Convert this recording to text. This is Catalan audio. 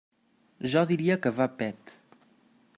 Jo diria que va pet.